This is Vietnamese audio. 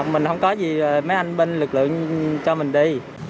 mình không có gì mấy anh bên lực lượng cho mình đi